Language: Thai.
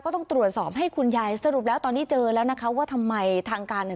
ต้องตรวจสอบให้คุณยายสรุปแล้วตอนนี้เจอแล้วนะคะว่าทำไมทางการเนี่ย